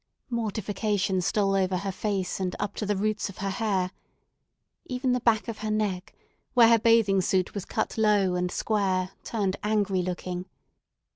Mortification stole over her face and up to the roots of her hair. Even the back of her neck, where her bathing suit was cut low and square, turned angry looking.